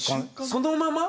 そのまま。